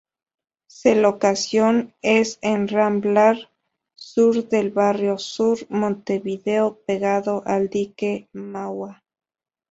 Se locación es en Rambla Sur del Barrio Sur, Montevideo; pegado al Dique Mauá.